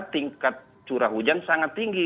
tingkat curah hujan sangat tinggi